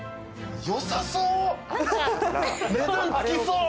良さそう！